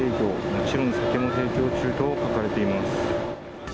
もちろん酒も提供中と書かれています。